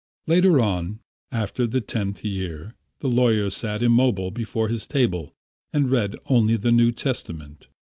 Later on, after the tenth year, the lawyer sat immovable before his table and read only the New Testament.